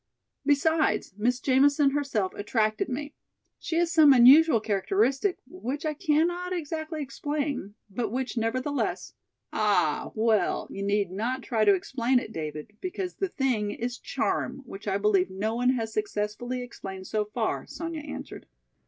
Besides, Miss Jamison herself attracted me. She has some unusual characteristic which I cannot exactly explain, but which nevertheless—" "Ah, well, you need not try to explain it, David, because the thing is 'charm,' which I believe no one has successfully explained so far," Sonya answered.